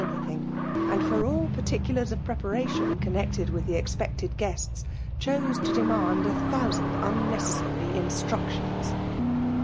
nything ; and for all particulars ^of o^eparation connected with the expected , jguestS;^ chpse to demand a thous^d, unu^ cessafv xnatructions.